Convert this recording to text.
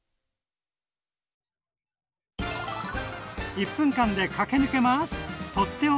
１分間で駆け抜けます！